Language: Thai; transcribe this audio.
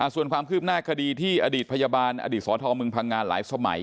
ส่วนความคืบหน้าคดีที่อดีตพยาบาลอดีตสธมึงพังงานหลายสมัย